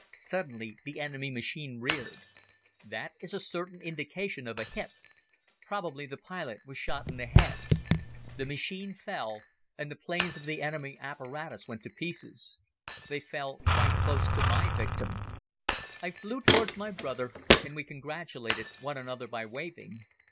Suddenly, the enemy machine reared. That is a certain indication of a hit. Probably the pilot was shot in the head. The machine fell and the planes of the enemy apparatus went to pieces. They fell quite close to my victim. I flew towards my brother and we congratulated one another by waving.